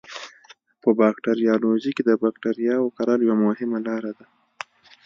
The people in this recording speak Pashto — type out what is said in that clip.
په باکتریالوژي کې د بکټریاوو کرل یوه مهمه لاره ده.